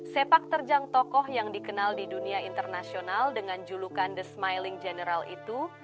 sepak terjang tokoh yang dikenal di dunia internasional dengan julukan the smiling general itu